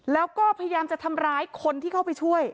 แล้วก็พยายามจะทำร้ายคนที่เข้าไปช่วย